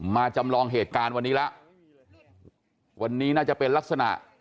จำลองเหตุการณ์วันนี้แล้ววันนี้น่าจะเป็นลักษณะ